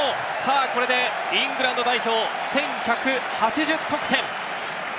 これでイングランド代表１１８０得点！